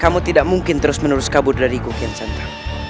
kamu tidak mungkin terus menerus kabur dari kukian sentra